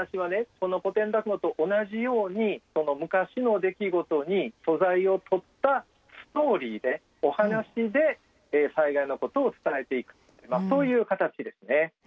この古典落語と同じようにその昔の出来事に素材をとったストーリーでお話で災害のことを伝えていくそういう形ですね。